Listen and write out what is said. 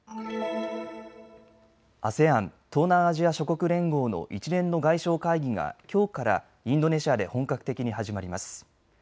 ＡＳＥＡＮ・東南アジア諸国連合の一連の外相会議がきょうからインドネシアで本格的に始まります。